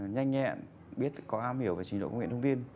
nhanh nhẹn biết có am hiểu về trình độ công nghệ thông tin